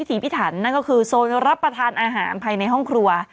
จดนั่งคืนหมดเจนนี่นะครับ